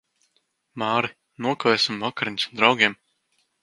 Māri, nokavēsim vakariņas ar draugiem.